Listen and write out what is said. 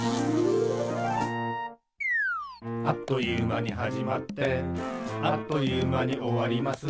「あっという間にはじまってあっという間におわります」